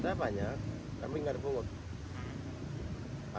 ada banyak tapi tidak ada bunga